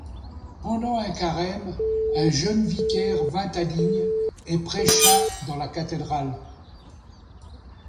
Pendant un carême, un jeune vicaire vint à Digne et prêcha dans la cathédrale.